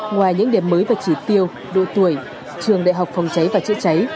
ngoài những điểm mới về chỉ tiêu độ tuổi trường đại học phòng cháy và chữa cháy